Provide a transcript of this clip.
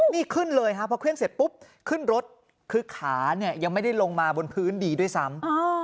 นี่ขึ้นเลยครับพอขึ้นเสร็จปุ๊บขึ้นรถคือขาเนี่ยยังไม่ได้ลงมาบนพื้นดีด้วยซ้ำ